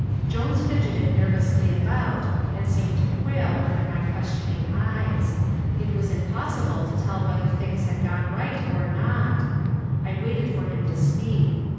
Jones fidgeted nervously about, and seemed to quail under my questioning eyes. It was impossible to tell whether things had gone right or not. I waited for him to speak....